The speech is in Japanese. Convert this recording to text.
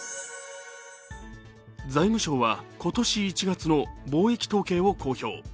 財務省は今年１月の貿易統計を公表。